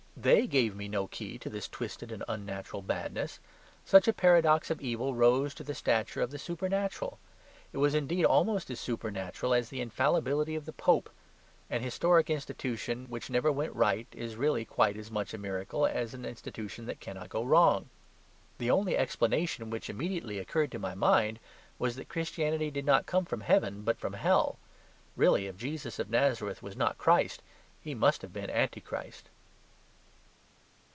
THEY gave me no key to this twisted and unnatural badness. Such a paradox of evil rose to the stature of the supernatural. It was, indeed, almost as supernatural as the infallibility of the Pope. An historic institution, which never went right, is really quite as much of a miracle as an institution that cannot go wrong. The only explanation which immediately occurred to my mind was that Christianity did not come from heaven, but from hell. Really, if Jesus of Nazareth was not Christ, He must have been Antichrist.